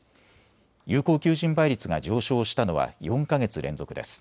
有効求人倍率が上昇したのは４か月連続です。